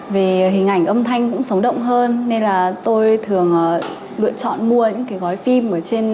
về hình ảnh âm thanh cũng sống động hơn nên là tôi thường lựa chọn mua những cái gói phim ở trên các ứng dụng